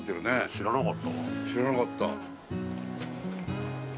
知らなかった。